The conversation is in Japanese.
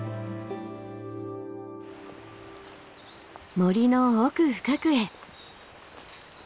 森の奥深くへ。